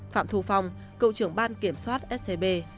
phạm thu phong cậu trưởng ban kiểm soát scb